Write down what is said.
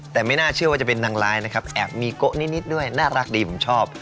แต่ไม่น่าเชื่อว่าจะเป็นนางร้ายนะครับแอบมีโกะนิดด้วยน่ารักดีผมชอบ